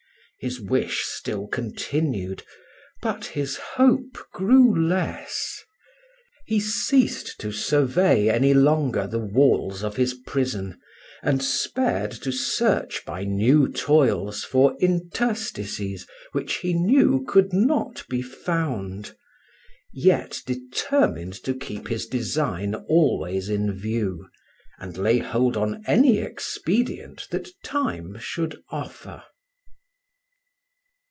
His wish still continued, but his hope grew less. He ceased to survey any longer the walls of his prison, and spared to search by new toils for interstices which he knew could not be found, yet determined to keep his design always in view, and lay hold on any expedient that time should offer.